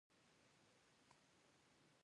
موږ ولې سوله غواړو؟